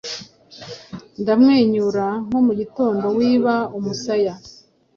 Ndamwenyura nko mugitondo wiba umusaya,